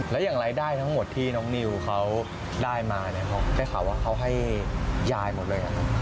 แล้วอย่างไรได้ทั้งหมดที่น้องนิวเขาได้มาได้ข่าวว่าเขาให้ยายหมดเลยหรือ